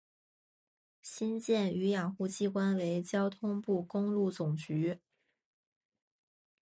新建与养护机关为交通部公路总局。